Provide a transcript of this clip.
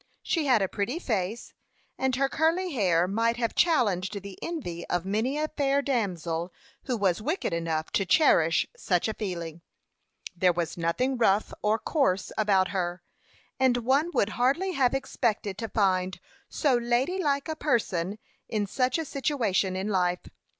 She had a pretty face, and her curly hair might have challenged the envy of many a fair damsel who was wicked enough to cherish such a feeling. There was nothing rough or coarse about her, and one would hardly have expected to find so lady like a person in such a situation in life.